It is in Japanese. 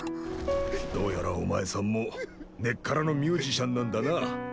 どうやらお前さんも根っからのミュージシャンなんだな。